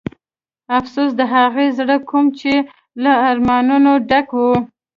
افسوس د هغه زړه کوم چې له ارمانونو ډک و.